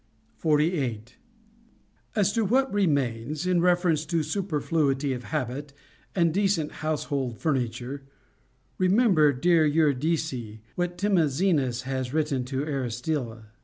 48. As to what remains, in reference to superfluity of habit and decent household furniture, remember, dear Eurydice, what Timoxenas has written to Aristylla.